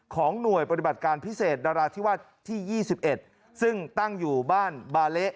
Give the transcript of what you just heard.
ของหน่วยปฏิบัติการพิเศษนราธิวาสที่๒๑ซึ่งตั้งอยู่บ้านบาเละ